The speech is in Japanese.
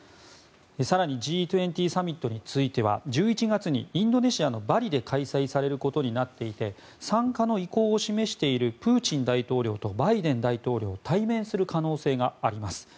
更に、Ｇ２０サミットについては１１月にインドネシアのバリで開催されることになっていて参加の意向を示しているプーチン大統領とバイデン大統領が対面する可能性があります。